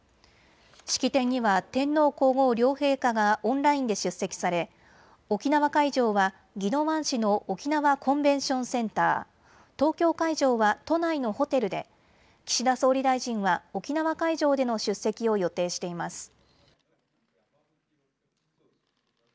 式典には天皇皇后両陛下がオンラインで出席され沖縄会場は宜野湾市の沖縄コンベンションセンター、東京会場は都内のホテルで岸田総理大臣は沖縄会場での出席を予定しています。